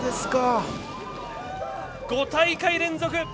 ５大会連続